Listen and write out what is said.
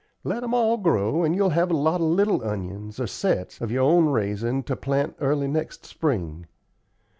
Let 'em all grow, and you'll have a lot of little onions, or sets, of your own raisin' to plant early next spring.